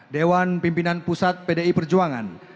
dewan pimpinan pusat pdi perjuangan